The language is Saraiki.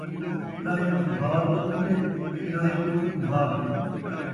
کݙان٘ہیں کمبھار گݙوں تے ، کݙان٘ہیں گݙوں کمبھار تے